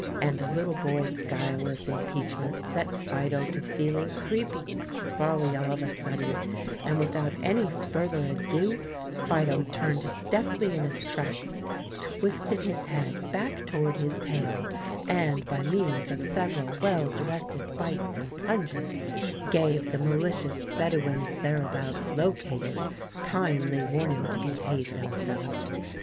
And the little boy's guileless impeachment set Fido to feeling creepy crawly all of a sudden, and without any further ado Fido turned deftly in his tracks, twisted his head back toward his tail, and by means of several well directed bites and plunges gave the malicious Bedouins thereabouts located timely warning to behave themselves.